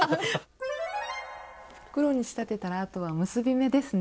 袋に仕立てたらあとは結び目ですね。